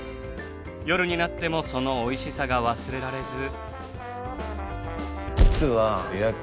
夜になってもそのおいしさが忘れられず。